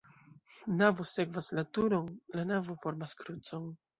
Navo sekvas la turon, la navo formas krucon.